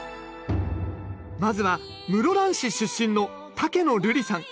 まずは室蘭市出身の竹野留里さん。